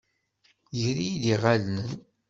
Ger-iyi-d iɣallen.